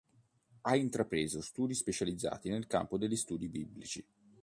Ha intrapreso studi specializzati nel campo degli studi biblici.